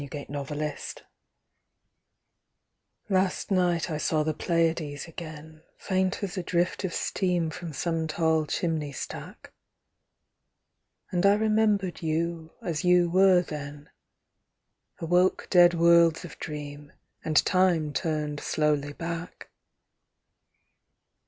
99 The Pleiades Last night I saw the Pleiades again, Faint as a drift of steam From some tall chimney stack ; And I remembered you as you were then : Awoke dead worlds of dream, And Time turned slowly back.